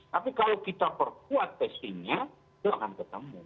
tapi kalau kita perkuat testingnya itu akan ketemu